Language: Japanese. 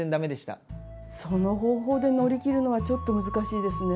その方法で乗り切るのはちょっと難しいですね。